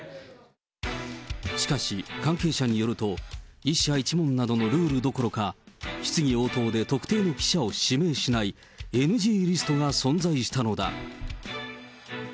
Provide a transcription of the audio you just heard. しかし関係者によると、１社１問などのルールどころか、質疑応答で特定の記者を指名しない、ＮＧリストが存在したのだ。